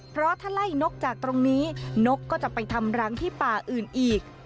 เพราะถ้าไล่นกจากตรงนี้นกก็จะไปทำรังที่ป่าอื่นอีก